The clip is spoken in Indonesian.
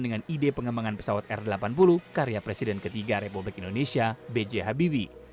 dengan ide pengembangan pesawat r delapan puluh karya presiden ketiga republik indonesia b j habibie